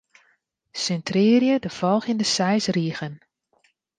Sintrearje de folgjende seis rigen.